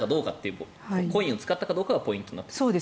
コインを使ったかどうかがポイントになってくると。